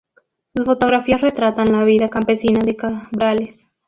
Sus fotografías retratan la vida campesina de Cabrales.